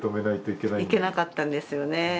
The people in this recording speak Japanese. いけなかったんですよね。